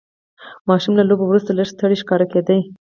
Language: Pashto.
ماشوم له لوبو وروسته لږ ستړی ښکاره کېده.